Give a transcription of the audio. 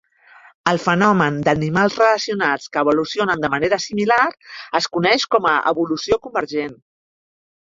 El fenomen d'animals relacionats que evolucionen de manera similar es coneix com a evolució convergent.